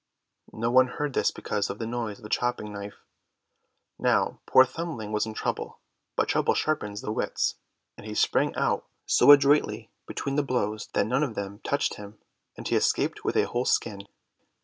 No one heard this because of the noise of the chopping knife. Now poor Thumbling was in trouble, but trouble sharpens the wits, and he sprang out so adroitly between the blows that none of them touched him, and he escaped with a whole skin.